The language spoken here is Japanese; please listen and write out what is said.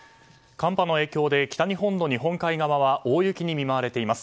寒波の影響で北日本の日本海側は大雪に見舞われています。